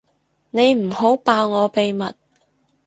你唔好爆我秘密